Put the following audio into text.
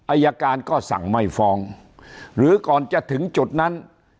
อายการก็สั่งไม่ฟ้องหรือก่อนจะถึงจุดนั้น